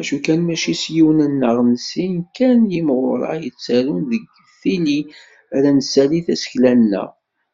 Acu kan mačči s yiwen neɣ s sin kan n yimyura i yettarun deg tili ara nessali tasekla-nneɣ